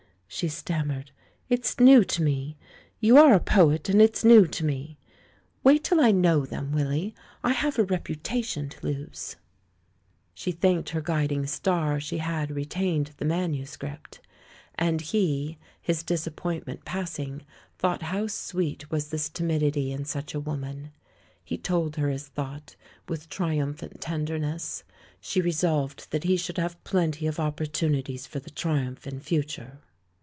she stammered; "it's new to me. You are a poet, and it's new to me. Wait till I know them, Willy — I have a reputation to lose." 140 THE MAN WHO UNDERSTOOD WOMEN She thanked her guiding star she had retained the manuscript ; and he, his disappointment pass ing, thought how sweet was this timidity in such a woman. He told her his thought, with tri umphant tenderness. She resolved that he should have plenty of opportunities for the triumph in future.